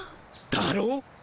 だろ？